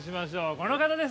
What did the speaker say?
この方です。